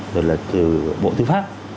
rồi là từ bộ tư pháp